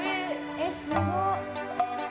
えすごっ。